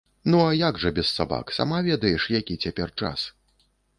Ну, а як жа без сабак, сама ведаеш, які цяпер час.